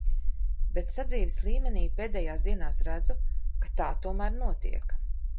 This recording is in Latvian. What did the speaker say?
Bet sadzīves līmenī pēdējās dienās redzu, ka tā tomēr notiek.